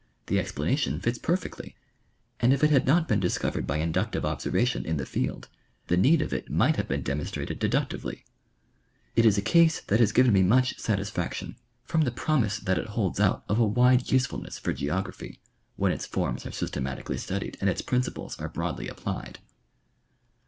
The explanation fits perfectly, and if it had not been discovered by inductive observation in the field, the need of it might have been demonstrated deductively. It is a case that has given me much satisfaction from the promise that it holds out 26 National Oeographio Magazine. of a wide usefulness for geography, when its forms are systemati cally studied and its pi'inciples are broadly applied.